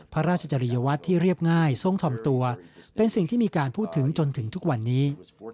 พระราชจริยวัตรที่เรียบง่ายทรงถ่อมตัวเป็นสิ่งที่มีการพูดถึงจนถึงทุกวันนี้